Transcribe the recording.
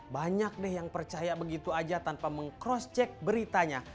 banyak deh yang percaya begitu aja tanpa meng cross check beritanya